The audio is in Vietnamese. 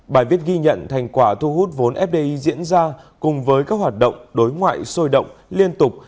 bài viết ghi nhận thành quả thu hút vốn fdi diễn ra cùng với các hoạt động đối ngoại sôi động liên tục